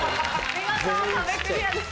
見事壁クリアです。